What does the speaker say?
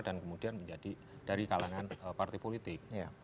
dan kemudian menjadi dari kalangan partai politik